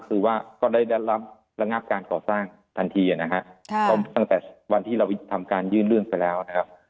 คือว่าก็ได้รับระงับการก่อสร้างทันทีนะฮะตั้งแต่วันที่เราทำการยื่นเรื่องไปแล้วนะครับ